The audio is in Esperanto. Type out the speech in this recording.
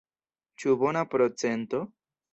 Ĉu bona procento?